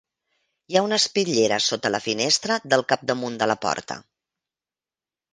Hi ha una espitllera sota la finestra del capdamunt de la porta.